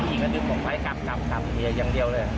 พี่ก็ดึงผมไหลกลับอย่างเดียวเลย